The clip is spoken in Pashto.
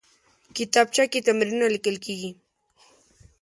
کتابچه کې تمرینونه لیکل کېږي